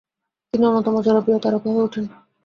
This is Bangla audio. তিনি অন্যতম জনপ্রিয় তারকা হয়ে ওঠেন।